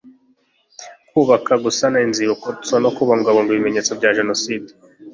kubaka gusana inzibutso no kubungabunga ibimenyetso bya jenoside